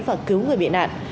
và cứu người bị nạn